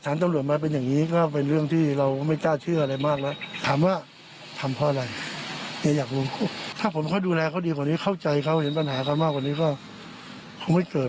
ใจเขาเห็นปัญหากันมากกว่านี้ก็คงไม่เกิด